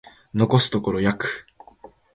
残すところ約